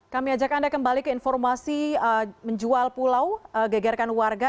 kami ajak anda kembali ke informasi menjual pulau gegerkan warga